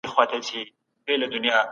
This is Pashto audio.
دا زموږ برخلیک دی.